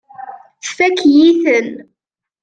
Tfakk-iyi-ten.